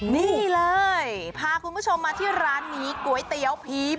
นี่เลยพาคุณผู้ชมมาที่ร้านนี้ก๋วยเตี๋ยวผี